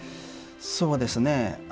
そうですね。